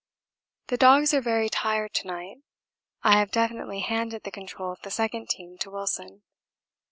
The dogs are very tired to night. I have definitely handed the control of the second team to Wilson.